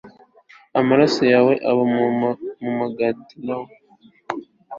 amaraso yawe, uba mu mugati na